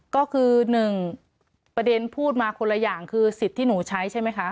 ก็คือหนึ่งประเด็นพูดมาคนละอย่างคือสิทธิ์ที่หนูใช้ใช่ไหมคะ